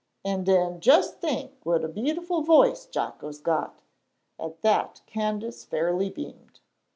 An' den jus' t'ink wat a beau'ful voice Jocko's got!" At that Candace fairly beamed.